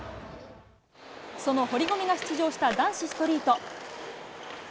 その堀米が出場した男子ストリート。